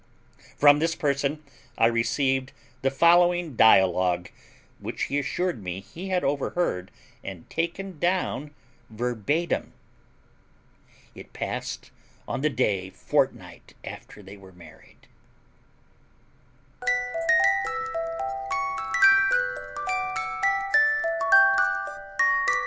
From this person I received the following dialogue, which he assured me he had overheard and taken down verbatim. It passed on the day fortnight after they were married.